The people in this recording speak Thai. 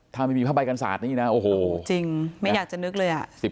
ถ้าไม่มีภาพใบกันศาสตร์นี้นะโอ้โหจริงไม่อยากจะนึกเลย